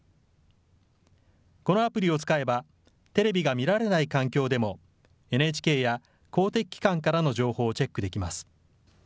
このアプリを使えば、テレビが見られない環境でも、ＮＨＫや公的機関からの情報をチェックできます。